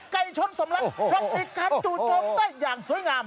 ไก่ชนสมรักรับอีกการจูดจมได้อย่างสวยงาม